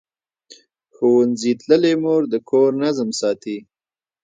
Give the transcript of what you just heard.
ښوونځې تللې مور د کور نظم ساتي.